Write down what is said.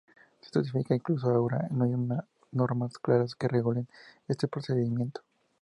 Esto significa que incluso ahora no hay unas normas claras que regulen este procedimiento.